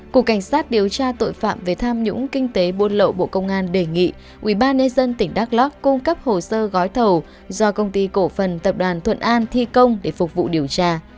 cục cảnh sát điều tra tội phạm về tham nhũng kinh tế buôn lậu bộ công an đề nghị ubnd tỉnh đắk lắc cung cấp hồ sơ gói thầu do công ty cổ phần tập đoàn thuận an thi công để phục vụ điều tra